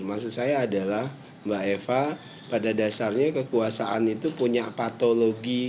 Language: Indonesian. maksud saya adalah mbak eva pada dasarnya kekuasaan itu punya patologi